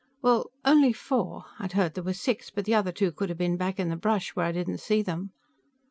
"Well, only four. I'd heard that there were six, but the other two could have been back in the brush where I didn't see them."